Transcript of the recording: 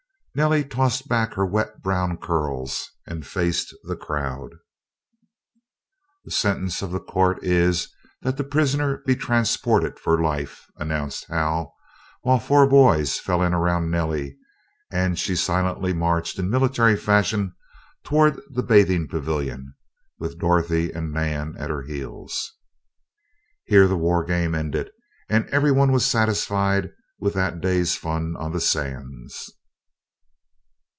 Nellie tossed back her wet brown curls and faced the crowd. "The sentence of the court is that the prisoner be transported for life," announced Hal, while four boys fell in around Nellie, and she silently marched in military fashion toward the bathing pavilion, with Dorothy and Nan at her heels. Here the war game ended, and everyone was satisfied with that day's fun on the sands.